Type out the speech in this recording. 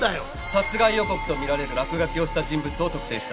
殺害予告とみられる落書きをした人物を特定した。